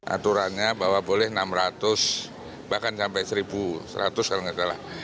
aturannya bahwa boleh enam ratus bahkan sampai satu seratus kalau tidak lah